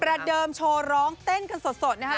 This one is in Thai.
ระเดิมโชว์ร้องเต้นกันสดนะครับ